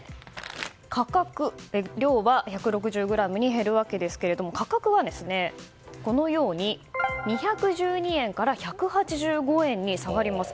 量は１６０ｇに減るわけですけれども価格は、２１２円から１８５円に下がります。